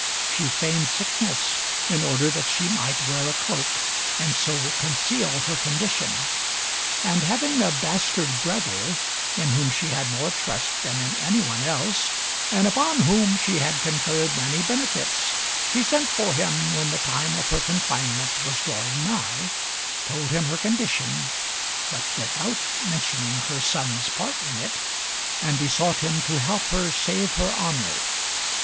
She feigned sickness, in order that she might wear a cloak and so conceal her condition; and having a bastard brother, in whom she had more trust than in any one else, and upon whom she had conferred many benefits, she sent for him when the time of her confinement was drawing nigh, told him her condition (but without mentioning her son's part in it), and besought him to help her save her honour.